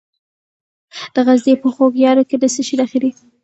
د غزني په خوږیاڼو کې د څه شي نښې دي؟